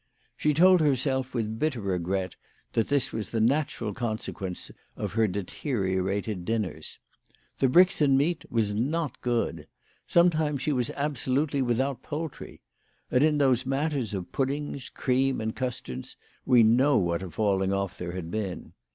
She told herself, with bitter regret, that this was the natural consequence of her deteriorated dinners. The Brixen meat was not good. Sometimes she was abso lutely without poultry. And in those matters of puddings, cream, and custards, we know what a falling off there had been.